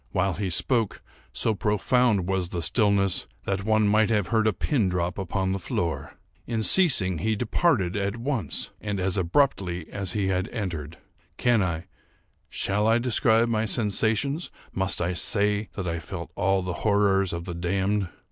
While he spoke, so profound was the stillness that one might have heard a pin drop upon the floor. In ceasing, he departed at once, and as abruptly as he had entered. Can I—shall I describe my sensations? Must I say that I felt all the horrors of the damned?